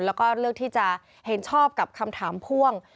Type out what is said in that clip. แล้วก็เลือกที่จะเห็นชอบกับคำถามพ่วง